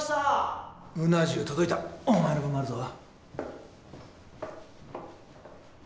うな重届いたお前の分もあるぞ。